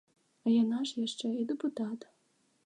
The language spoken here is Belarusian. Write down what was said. А яна ж яшчэ і дэпутат.